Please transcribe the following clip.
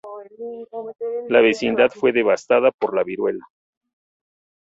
La vecindad fue devastada por la viruela.